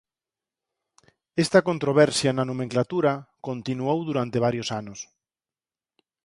Esta controversia na nomenclatura continuou durante varios anos.